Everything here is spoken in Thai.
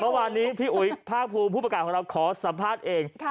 เมื่อวานนี้พี่อุ๋ยภาคภูมิผู้ประกาศของเราขอสัมภาษณ์เอง